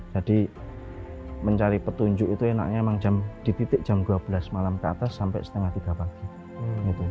jadi mencari petunjuk itu enaknya memang di titik jam dua belas malam ke atas sampai setengah tiga pagi